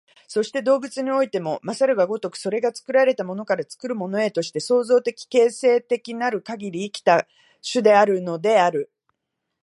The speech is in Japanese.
そして動物においても然るが如く、それが作られたものから作るものへとして、創造的形成的なるかぎり生きた種であるのである。